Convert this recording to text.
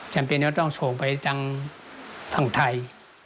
จำเป็นว่าต้องส่งไปทางฝั่งไทย